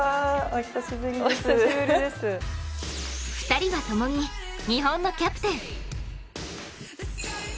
２人はともに日本のキャプテン。